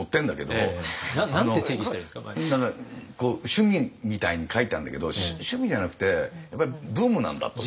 趣味みたいに書いてあんだけど趣味じゃなくてやっぱりブームなんだと。